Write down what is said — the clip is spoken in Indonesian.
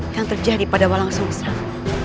yang terjadi pada walang sumsel